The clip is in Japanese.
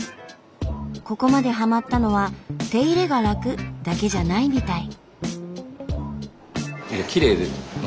ここまでハマったのは「手入れが楽」だけじゃないみたい。